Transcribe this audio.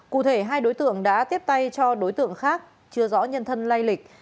cụ thể hai đối tượng đã tiếp tay cho đối tượng khác chưa rõ nhân thân lay lịch